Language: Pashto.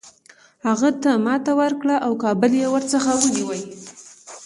هغه ته ماته ورکړه او کابل یې ورڅخه ونیوی.